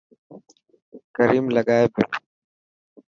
ڪريم لگائي پيو.